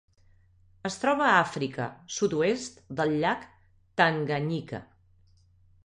Es troba a Àfrica: sud-oest del llac Tanganyika.